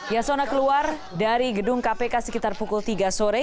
yasona keluar dari gedung kpk sekitar pukul tiga sore